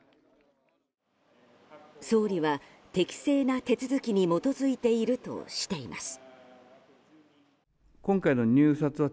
総理は適正な手続きに基づいているとしています。